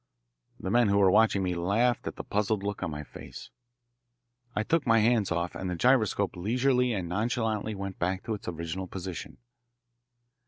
The men who were watching me laughed at the puzzled look on my face. I took my hands off, and the gyroscope leisurely and nonchalantly went back to its original position.